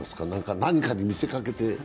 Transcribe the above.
何かに見せかけて？